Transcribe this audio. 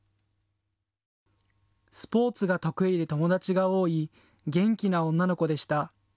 スポーツが得意で友達が多い元気な女の子でした。